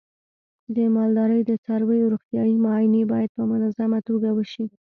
د مالدارۍ د څارویو روغتیايي معاینې باید په منظمه توګه وشي.